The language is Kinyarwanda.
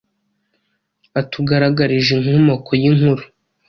atugaragarije inkomoko y’inkuru.